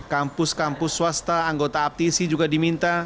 kampus kampus swasta anggota aptisi juga diminta